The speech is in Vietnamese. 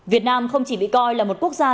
việt nam không chỉ bị coi là một quốc gia